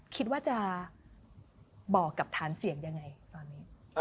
คิดว่าจะบอกกับฐานเสียงยังไงตอนนี้